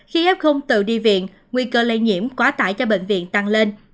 khi f tự đi viện nguy cơ lây nhiễm quá tải cho bệnh viện tăng lên